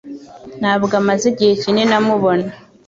Ntabwo amaze igihe kinini amubona.